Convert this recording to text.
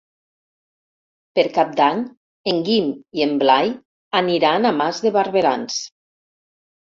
Per Cap d'Any en Guim i en Blai aniran a Mas de Barberans.